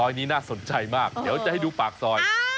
นี้น่าสนใจมากเดี๋ยวจะให้ดูปากซอย